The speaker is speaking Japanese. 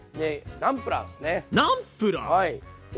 ナムプラー！